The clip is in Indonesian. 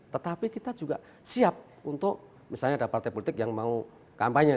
tetapi kita juga siap untuk misalnya ada partai politik yang mau kampanye